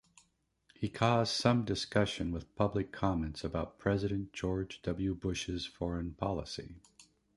He caused some discussion with public comments about President George W. Bush's foreign policy.